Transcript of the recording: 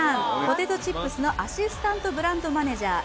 ポテトチップスのアシスタントブランドマネジャー